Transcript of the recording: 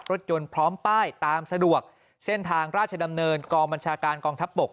รถยนต์พร้อมป้ายตามสะดวกเส้นทางราชดำเนินกองบัญชาการกองทัพบก